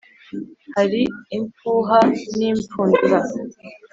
hali imfuha n'imfundura: